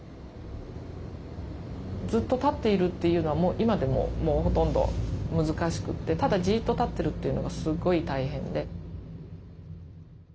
ずっと立っているというのは今でももうほとんど難しくてただじっと立ってるというのがすごい大変で。